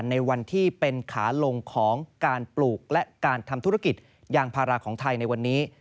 ในวันที่เป็นขาลงของการปลูกและการทำธุรกิจยางพาราของไทยในวันนี้